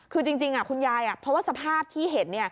คือจริงคุณยายเพราะว่าสภาพที่เห็น